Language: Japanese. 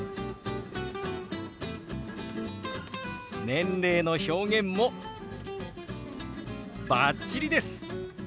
年齢の表現もバッチリです！